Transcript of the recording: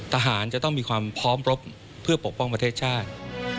จะต้องมีความพร้อมรบเพื่อปกป้องประเทศชาติ